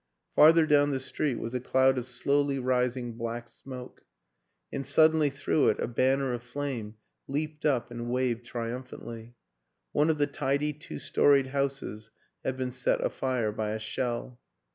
Farther down the street was a cloud of slowly rising black smoke and suddenly through it a banner of flame leaped up and waved trium phantly; one of the tidy two storied houses had been set afire by a shell.